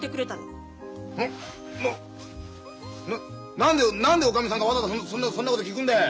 な何で何でおかみさんがわざわざそんなそんなこと聞くんだよ。